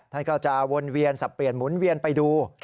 ท่านก็จะวนเวียนสับเปลี่ยนหมุนเวียนไปดู